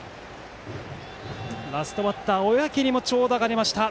ラストバッター、小宅にも長打が出ました。